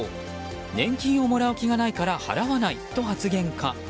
年金をもらう気がないから払わないと発言か。